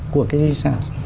của cái di sản